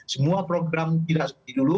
semua program tidak seperti dulu